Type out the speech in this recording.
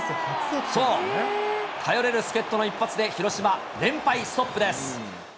そう、頼れる助っ人の一発で、広島、連敗ストップです。